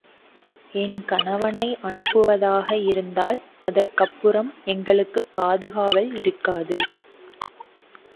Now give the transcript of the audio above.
என் கணவனை அனுப்புவதாக இருந்தால் அதற்கப்புறம் எங்களுக்குப் பாதுகாவல் இருக்காது.